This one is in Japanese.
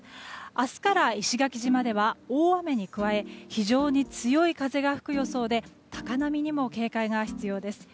明日から石垣島では大雨に加え非常に強い風が吹く予想で高波にも警戒が必要です。